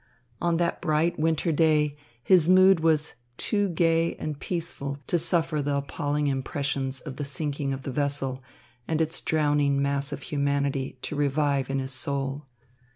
On that bright winter day his mood was too gay and peaceful to suffer the appalling impressions of the sinking of the vessel and its drowning mass of humanity to revive in his soul.